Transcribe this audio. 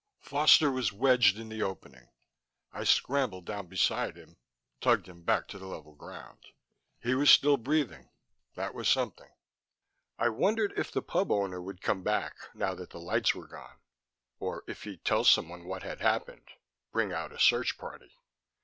Foster was wedged in the opening. I scrambled down beside him, tugged him back to the level ground. He was still breathing; that was something. I wondered if the pub owner would come back, now that the lights were gone or if he'd tell someone what had happened, bring out a search party.